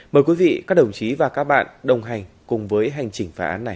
mời quý vị các đồng chí và các bạn đồng hành cùng với hành trình phá án này